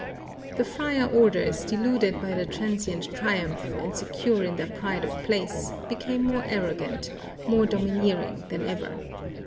The friar orders, deluded by their transient triumph and secure in their pride of place, became more arrogant, more domineering than ever.